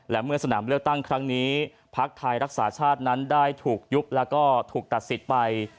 และเมื่อสนามเลือกตั้งครั้งนี้ภักดิ์ไทยรักษาชาตินั้นได้ถูกยุบแล้วก็ถูกตัดสิทธิ์ไป